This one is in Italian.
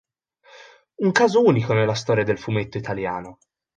Un caso unico nella storia del fumetto italiano.